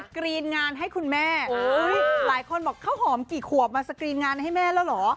กรีนงานให้คุณแม่หลายคนบอกข้าวหอมกี่ขวบมาสกรีนงานให้แม่แล้วเหรอ